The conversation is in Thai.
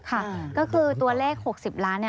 ค่ะก็คือตัวเลข๖๐ล้าน